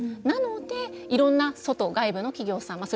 なので、いろんな外外部の企業さん